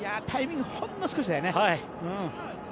タイミングほんの少しだよね。